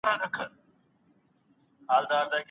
موسیقي یو ښه ملګری دی.